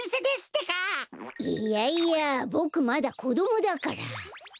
いやいやボクまだこどもだから。